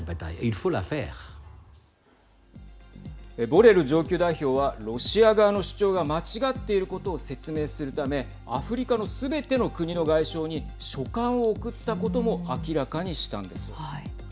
ボレル上級代表はロシア側の主張が間違っていることを説明するためアフリカのすべての国の外相に書簡を送ったことも明らかにしたんです。